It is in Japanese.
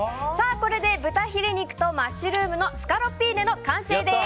これで豚ヒレ肉とマッシュルームのスカロッピーネの完成です。